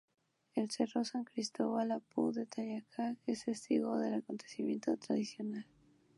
El cerro San Cristóbal, Apu de Tayacaja; es testigo de este acontecimiento tradicional.